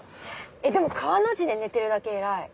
えっでも川の字で寝てるだけ偉い。